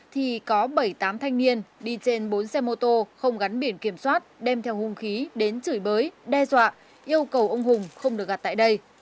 thì có bảy tám thanh niên đi trên bốn xe mô tô không gắn biển kiểm soát đem theo hùng khí đến chửi bới đe dọa yêu cầu ông hùng không được gặt tại đây